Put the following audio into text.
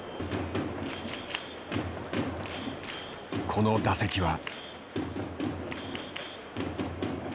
この打席は。